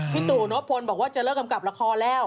ตู่นพลบอกว่าจะเลิกกำกับละครแล้ว